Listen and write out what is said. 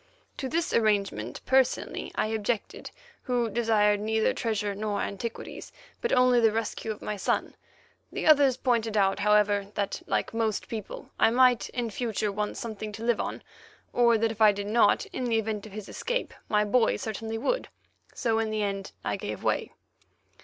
To this arrangement personally I objected, who desired neither treasure nor antiquities, but only the rescue of my son. The others pointed out, however, that, like most people, I might in future want something to live on, or that if I did not, in the event of his escape, my boy certainly would; so in the end I gave way.